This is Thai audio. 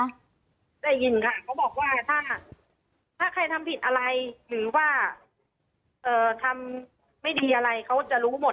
ได้ยินค่ะเขาบอกว่าถ้าใครทำผิดอะไรหรือว่าเอ่อทำไม่ดีอะไรเขาจะรู้หมด